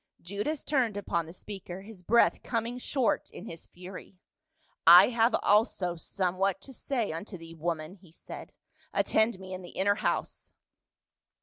Judas turned upon the speaker, his breath coming short in his fury. " I have also somewhat to say unto thee, woman," he said; "attend me in the inner house."